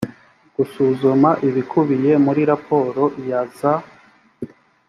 gusuzuma ibikubiye muri raporo ya za